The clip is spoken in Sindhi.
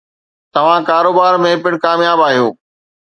توهان ڪاروبار ۾ پڻ ڪامياب آهيو.